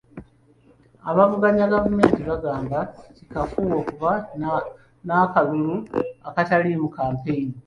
Abavuganya gavumenti bagamba kikafuuwe okuba n'akalulu akataliimu kampeyini.